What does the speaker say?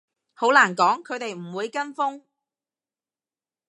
好難講，佢哋唔會跟風